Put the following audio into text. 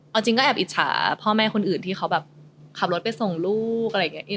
เอาจริงก็แอบอิจฉาพ่อแม่คนอื่นที่เขาแบบขับรถไปส่งลูกอะไรอย่างนี้